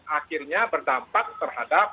akhirnya berdampak terhadap